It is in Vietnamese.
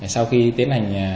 sau khi tiến hành